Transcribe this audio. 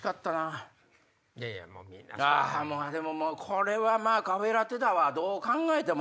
あでもこれはまぁカフェラテだわどう考えても。